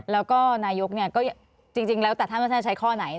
แล้วก็นายกก็จริงแล้วแต่ท่านว่าจะใช้ข้อไหน